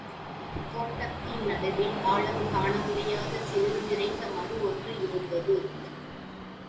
தோட்டத்தின் நடுவில் ஆழங்காண முடியாத சேறு நிறைந்த மடு ஒன்று இருந்தது.